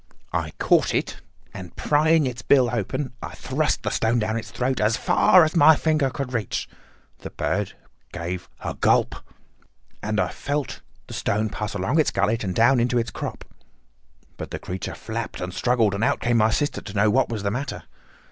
I caught it, and prying its bill open, I thrust the stone down its throat as far as my finger could reach. The bird gave a gulp, and I felt the stone pass along its gullet and down into its crop. But the creature flapped and struggled, and out came my sister to know what was the matter.